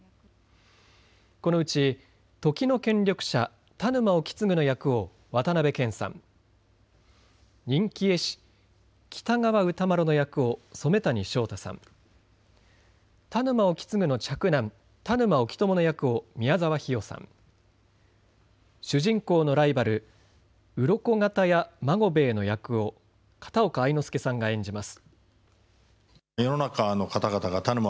このうち時の権力者、田沼意次の役を渡辺謙さん、人気絵師、喜多川歌麿の役を染谷将太さん、田沼意次の嫡男、田沼意知の役を宮沢氷魚さん、主人公のライバル、鱗形屋孫兵衛の役を片岡愛之助さんが演じます。